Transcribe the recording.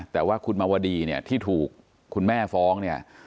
แต่ว่าคุณมวดีที่ถูกคุณแม่ฟ้อง